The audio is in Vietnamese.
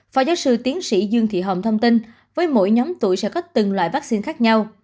phó giáo sư tiến sĩ dương thị hồng thông tin với mỗi nhóm tuổi sẽ có từng loại vaccine khác nhau